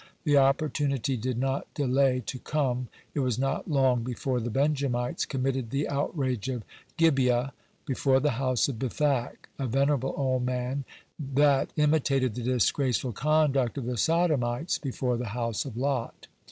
The opportunity did not delay to come. It was not long before the Benjamites committed the outrage of Gibeah. Before the house of Bethac, a venerable old man, they imitated the disgraceful conduct of the Sodomites before the house of Lot.